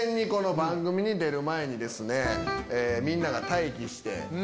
番組に出る前にみんなが待機して。